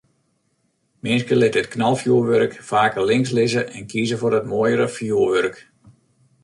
Minsken litte it knalfjoerwurk faker links lizze en kieze foar it moaiere fjoerwurk.